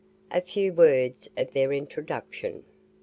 A few words for their introduction.